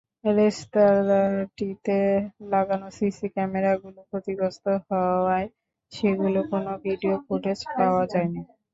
রেস্তোরাঁটিতে লাগানো সিসি ক্যামেরাগুলো ক্ষতিগ্রস্ত হওয়ায় সেগুলোর কোনো ভিডিও ফুটেজ পাওয়া যায়নি।